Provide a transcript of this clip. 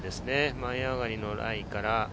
前上がりのライから。